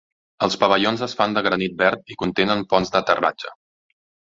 Els pavellons es fan de granit verd i contenen ponts d'aterratge.